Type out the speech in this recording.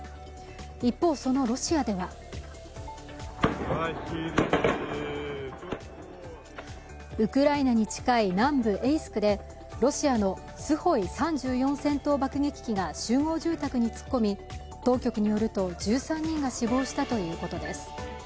一方、そのロシアではウクライナに近い南部エイスクでロシアのスホイ３４戦闘爆撃機が集合住宅に突っ込み当局によると、１３人が死亡したということです。